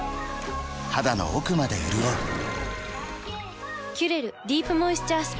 肌の奥まで潤う「キュレルディープモイスチャースプレー」